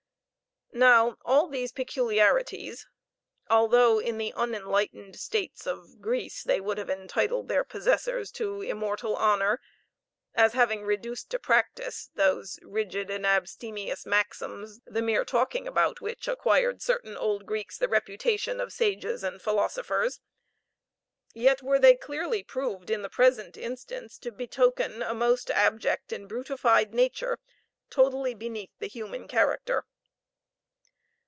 Now all these peculiarities, although in the unenlightened states of Greece they would have entitled their possessors to immortal honor, as having reduced to practice those rigid and abstemious maxims, the mere talking about which acquired certain old Greeks the reputation of sages and philosophers; yet were they clearly proved in the present instance to betoken a most abject and brutified nature, totally beneath the human character.